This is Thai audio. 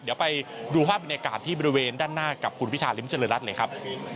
เดี๋ยวไปดูภาพบรรยากาศที่บริเวณด้านหน้ากับคุณพิธาริมเจริญรัฐเลยครับ